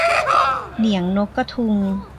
เหนียงนกกระทุง